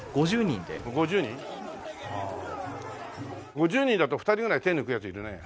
５０人だと２人ぐらい手抜くやついるねえ。